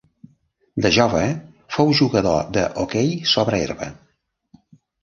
De jove fou jugador d'hoquei sobre herba.